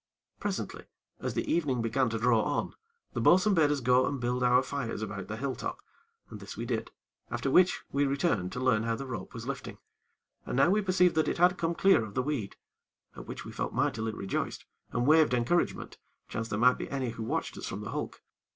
Presently, as the evening began to draw on, the bo'sun bade us go and build our fires about the hilltop, and this we did, after which we returned to learn how the rope was lifting, and now we perceived that it had come clear of the weed, at which we felt mightily rejoiced, and waved encouragement, chance there might be any who watched us from the hulk.